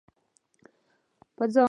په ځانګړې توګه چې کله خبره